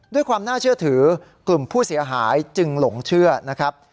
ด้วยความน่าเชื่อถือกลุ่มผู้เสียหายจึงหลงเชื่อนะครับ